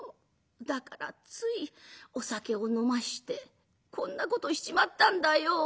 だからついお酒を飲ましてこんなことしちまったんだよ。